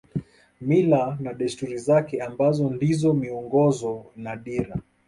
Mila na desturi zake ambazo ndizo miongozo na dira